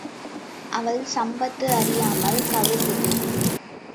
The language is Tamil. அவள் சம்பத்து அறியாமல் கவிழ்ந்தது.